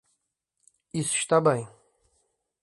Isso está bem.